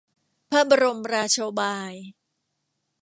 พระบรมราโชบาย